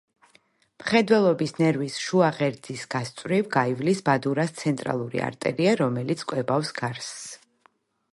მხედველობის ნერვის შუა ღერძის გასწვრივ გაივლის ბადურას ცენტრალური არტერია, რომელიც კვებავს გარსს.